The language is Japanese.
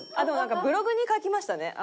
でもブログに書きましたね。